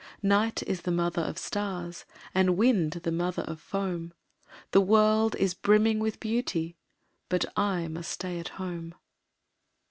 Night is the mother of stars, And wind the mother of foam The world is brimming with beauty, But I must stay at home.